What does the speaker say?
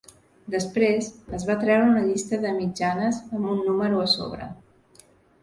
Després, es va treure una llista de mitjanes amb un número a sobre.